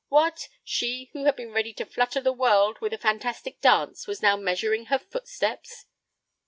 What! She who had been ready to flutter the world with a fantastic dance was now measuring her footsteps.